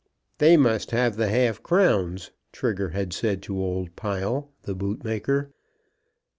"They must have the half crowns," Trigger had said to old Pile, the bootmaker.